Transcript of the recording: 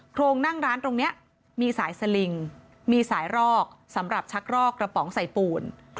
โรงนั่งร้านตรงนี้มีสายสลิงมีสายรอกสำหรับชักรอกกระป๋องใส่ปูน